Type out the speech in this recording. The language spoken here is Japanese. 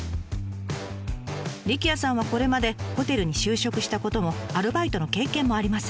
力也さんはこれまでホテルに就職したこともアルバイトの経験もありません。